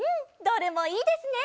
どれもいいですね！